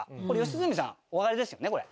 これ良純さんおわかりですよね？